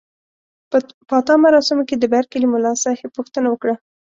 په پاتا مراسمو کې د برکلي ملاصاحب پوښتنه وکړه.